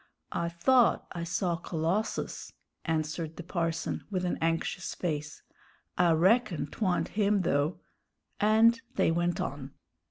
"I thought I saw Colossus," answered the parson, with an anxious face; "I reckon 'twa'nt him, though." And they went on.